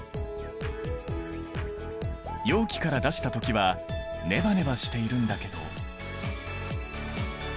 容器から出した時はネバネバしているんだけど。